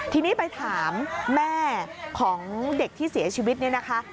ทีนี้ไปถามแม่ของเด็กที่เสียชีวิตเนี่ยนะคะ